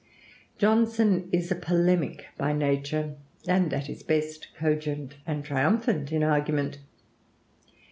Johnson is a polemic by nature, and at his best cogent and triumphant in argument.